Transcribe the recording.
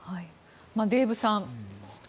デーブさん